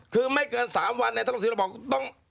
ตั้งแต่วันที่๒มกราคมเกิดเอง